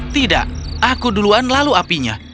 tidak aku duluan lalu apinya